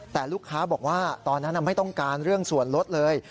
แต่ลูกค้าบอกว่าตอนนั้นไม่ต้องการเรื่องส่วนลดเลย